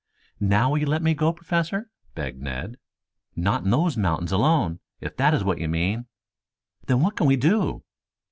"Now, will you let me go, Professor?" begged Ned. "Not in those mountains alone, if that is what you mean." "Then what can we do?"